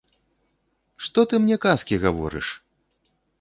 Што ты мне казкі гаворыш?